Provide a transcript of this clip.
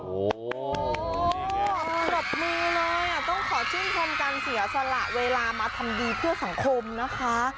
โอ้โหต้องขอชื่นทรงการเสียสละเวลามาทำดีเพื่อสังคมนะคะ